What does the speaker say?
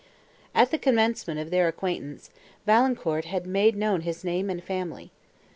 At the commencement of their acquaintance, Valancourt had made known his name and family.